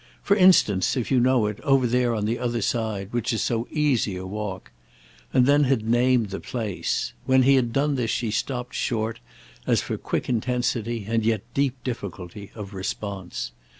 For instance, if you know it, over there on the other side, which is so easy a walk"—and then had named the place; when he had done this she stopped short as for quick intensity, and yet deep difficulty, of response.